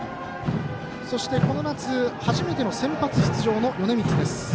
そして、この夏初めての先発出場、米満。